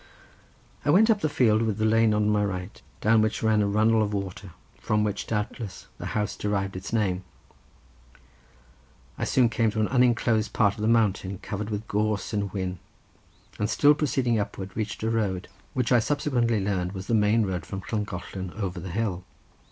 I went up the field with the lane on my right, down which ran a runnel of water, from which doubtless the house derived its name. I soon came to an unenclosed part of the mountain covered with gorse and whin, and still proceeding upward reached a road, which I subsequently learned was the main road from Llangollen over the hill.